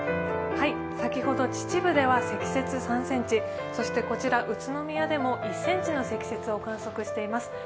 先ほど、秩父では積雪３ｃｍこちら、宇都宮でも１ｃｍの積雪を観測しています。